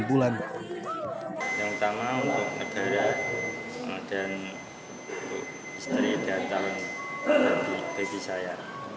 yang utama untuk negara dan istri datang bagi saya